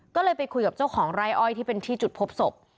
ก็เลยไปคุยกับเจ้าของไร่อ้อยที่เป็นที่จุดพบศพ